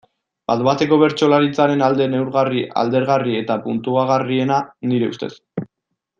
Bat-bateko bertsolaritzaren alde neurgarri, alderagarri eta puntuagarriena, nire ustez.